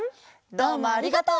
どうもありがとう！